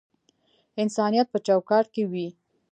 انسانیت په چوکاټ کښی وی